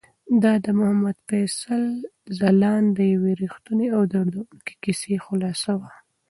دا د محمد فیصل ځلاند د یوې رښتونې او دردونکې کیسې خلاصه وه.